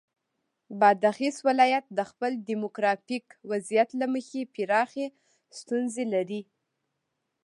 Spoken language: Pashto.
بادغیس ولایت د خپل دیموګرافیک وضعیت له مخې پراخې ستونزې لري.